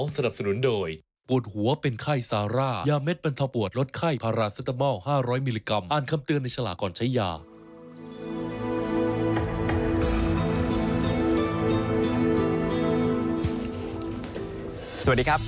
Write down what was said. สวัสดีครับ